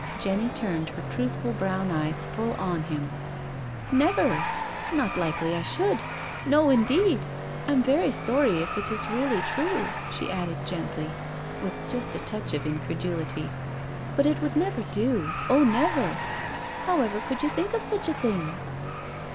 Jenny turned her truthful brown eyes full on him. *' Never I— not likely I should. No, indeed 1 I'm very sorry if it is really true," she added gently, with just a touch of incredulity, " but it would never do, oh, never. However could you think of such a thing?"